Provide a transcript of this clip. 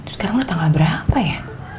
sekarang udah tanggal berapa ya